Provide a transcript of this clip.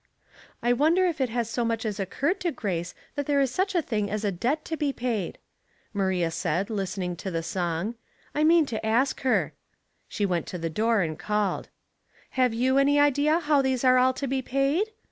" I wonder if it has so much as occurred to Grace that there is such a thing as a debt to be paid ?" Maria said, listening to the song. *' I mean to ask her." She went to the door and called. " Have you any idea how these are all to be paid